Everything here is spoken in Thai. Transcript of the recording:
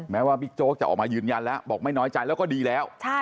แม้ว่าบิ๊กโจ๊กจะออกมายืนยันแล้วบอกไม่น้อยใจแล้วก็ดีแล้ว